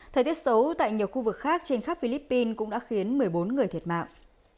thời tiết xấu tại nhiều khu vực khác trên khắp philippines cũng đã khiến một mươi bốn người thiệt mạng